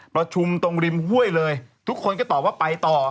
ประชุมตรงริมห้วยเลยทุกคนก็ตอบว่าไปต่อ